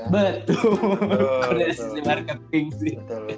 betul dari sisi marketing sih